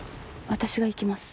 私が行きます。